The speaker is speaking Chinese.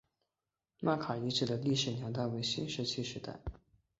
纳卡遗址的历史年代为新石器时代。